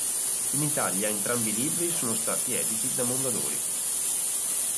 In Italia entrambi i libri sono stati editi da Mondadori.